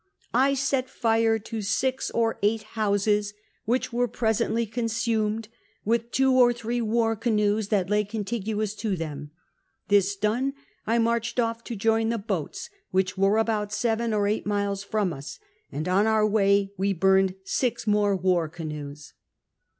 " I set fire to six or eight hoiiscs, which were presently consumed, with two or three war canoes that lay contiguous to them. This done, 1 marched off to join the boats, whicli were about seven or eight miles from us ; and on our way we burned six more war canoes.